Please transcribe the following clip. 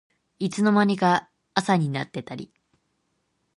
いつの間にか朝になってたり